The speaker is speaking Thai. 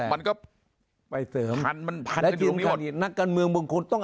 มันก็พันมันผ่านไปทันทีลงนี้หมด